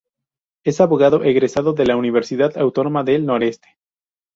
Es abogado egresado de la Universidad Autónoma del Noreste.